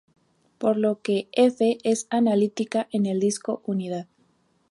Por lo que "f" es analítica en el disco unidad.